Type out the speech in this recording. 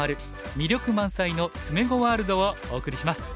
魅力満載の詰碁ワールド」をお送りします。